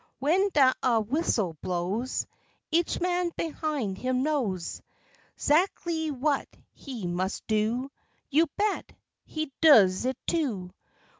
Wen dat ah whistle blows, Each man behine him knows 'Zacklee whut he mus' do; You bet! he dues it, too.